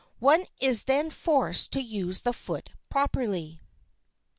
One is then forced to use the foot properly.